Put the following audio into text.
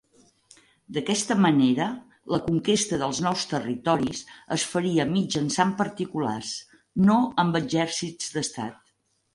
D'aquesta manera, la conquesta dels nous territoris es faria mitjançant particulars, no amb exèrcits d'Estat.